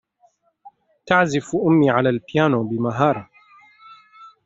تعزف أمي على البيانو بمهارة.